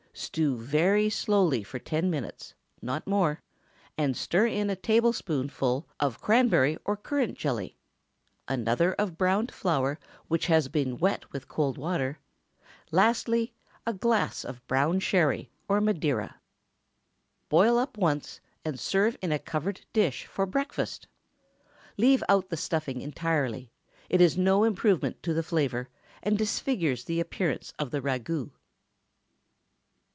Stew very slowly for ten minutes—not more—and stir in a tablespoonful of cranberry or currant jelly, another of browned flour which has been wet with cold water; lastly, a glass of brown Sherry or Madeira. Boil up once, and serve in a covered dish for breakfast. Leave out the stuffing entirely; it is no improvement to the flavor, and disfigures the appearance of the ragoût.